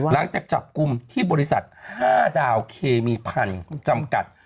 หลังจากจับกลุ่มที่บริษัท๕ดาวเคมีพันธุ์จำกัด